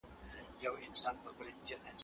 ښځې په ډېر پام سره د کباب سیخانو ته کتل.